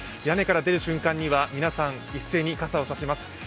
屋根から出る瞬間には皆さん、一斉に傘を差します。